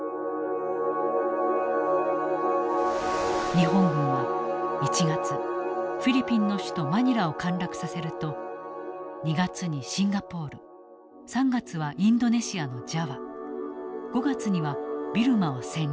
日本軍は１月フィリピンの首都マニラを陥落させると２月にシンガポール３月はインドネシアのジャワ５月にはビルマを占領。